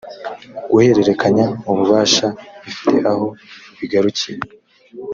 guhererekanya ububasha bifite aho bigarukira